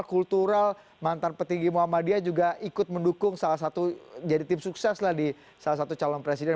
kultural mantan petinggi muhammadiyah juga ikut mendukung salah satu jadi tim sukses lah di salah satu calon presiden